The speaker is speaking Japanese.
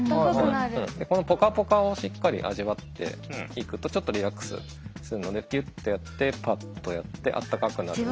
このポカポカをしっかり味わっていくとちょっとリラックスするのでギュッてやってパッとやってあったかくなる。